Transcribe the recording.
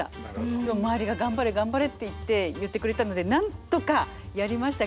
でも周りが「頑張れ頑張れ」っていって言ってくれたのでなんとかやりましたけど。